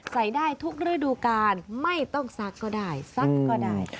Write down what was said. ใส่ได้ทุกฤดูกาลไม่ต้องซักก็ได้ซักก็ได้